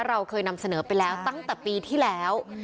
เราเคยนำเสนอไปแล้วตั้งแต่ปีที่แล้ว